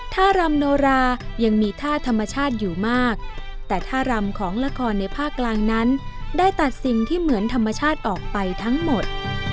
รำโนรายังมีท่าธรรมชาติอยู่มากแต่ท่ารำของละครในภาคกลางนั้นได้ตัดสิ่งที่เหมือนธรรมชาติออกไปทั้งหมด